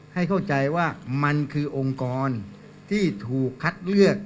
ให้เข้าใจว่ามันคือองค์กรที่ถูกคัดเลือก